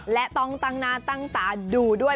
และต้องตั้งหน้าตั้งตาดูด้วย